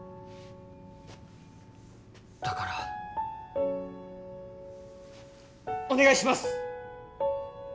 だからお願いします！